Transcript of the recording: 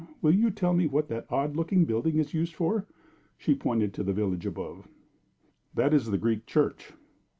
"Will you tell me what that odd looking building is used for?" She pointed to the village above. "That is the Greek church."